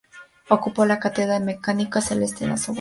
Ocupó la cátedra de mecánica celeste en la Sorbona.